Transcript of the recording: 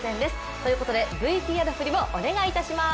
ということで、ＶＴＲフリをお願いします。